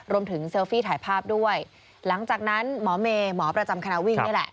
เซลฟี่ถ่ายภาพด้วยหลังจากนั้นหมอเมย์หมอประจำคณะวิ่งนี่แหละ